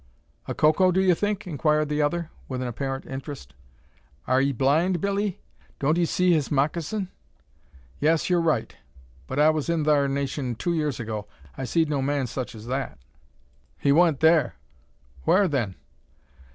"A Coco, do ye think?" inquired the other, with an apparent interest. "Are 'ee blind, Billee? Don't 'ee see his moccasin?" "Yes, you're right, but I was in thar nation two years ago. I seed no such man as that." "He w'an't there." "Whar, then?"